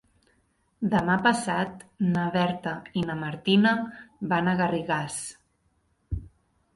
Demà passat na Berta i na Martina van a Garrigàs.